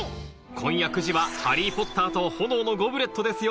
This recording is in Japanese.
今夜９時は『ハリー・ポッターと炎のゴブレット』ですよ